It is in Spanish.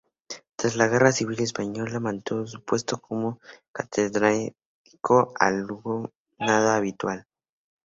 Tras la Guerra Civil Española mantuvo su puesto como catedrático, algo nada habitual.